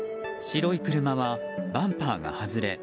白い車はバンパーが外れ